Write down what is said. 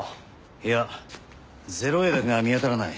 いや０−Ａだけが見当たらない。